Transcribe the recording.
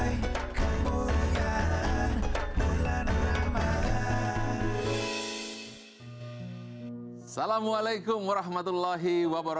assalamualaikum wr wb